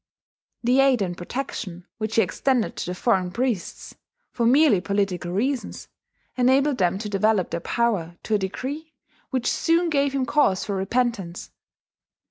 The aid and protection which he extended to the foreign priests, for merely political reasons, enabled them to develop their power to a degree which soon gave him cause for repentance.